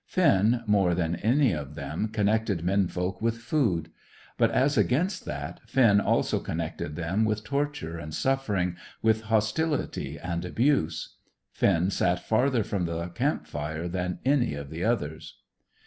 Finn, more than any of them, connected men folk with food. But, as against that, Finn also connected them with torture and suffering, with hostility and abuse. Finn sat farther from the camp fire than any of the others.